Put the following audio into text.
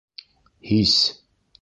Һис